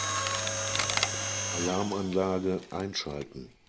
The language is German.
Alarmanlage einschalten.